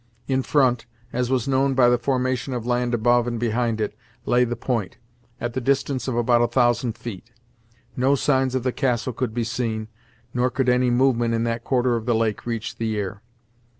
In front, as was known by the formation of land above and behind it, lay the point, at the distance of about a thousand feet. No signs of the castle could be seen, nor could any movement in that quarter of the lake reach the ear.